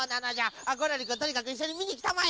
ゴロリくんとにかくいっしょにみにきたまえ。